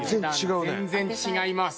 全然違います。